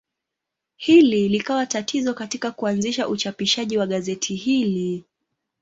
Hili likawa tatizo katika kuanzisha uchapishaji wa gazeti hili.